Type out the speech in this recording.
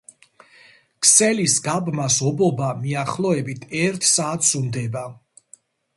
ქსელის გაბმას ობობა მიახლოებით ერთ საათს უნდება.